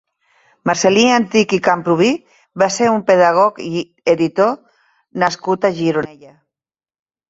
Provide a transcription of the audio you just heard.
Marcel·lí Antich i Camprubí va ser un pedagog i editor nascut a Gironella.